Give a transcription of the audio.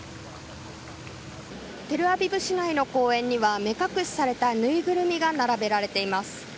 テルアビブ市内の公園には目隠しされたぬいぐるみが並べられています。